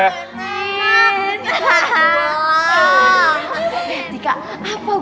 perdi dari baldy